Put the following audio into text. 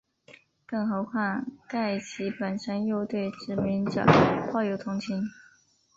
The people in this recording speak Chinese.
更何况盖奇本身又对殖民者抱有同情。